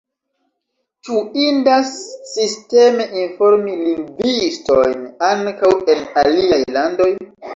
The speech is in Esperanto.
Ĉu indas sisteme informi lingvistojn ankaŭ en aliaj landoj?